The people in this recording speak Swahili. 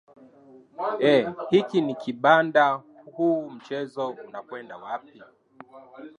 ee hiki ni kibanda huu mchezo unakwenda wapi